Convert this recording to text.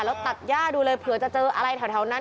แล้วตัดย่าดูเลยเผื่อจะเจออะไรแถวนั้น